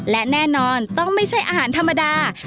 และแน่นอนต้องไม่ใช่อาหารธรรมดา